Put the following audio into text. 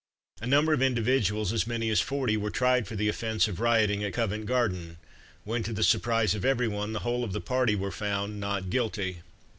A number of individuals, as many as forty, were tried for the offence of rioting at Covent Garden, when, to the surprise of everyone, the whole of the party were found "Not guilty."